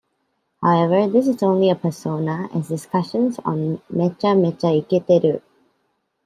However, this is only a persona, as discussions on Mecha-Mecha Iketeru!